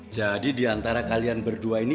jadi diantara kalian berdua ini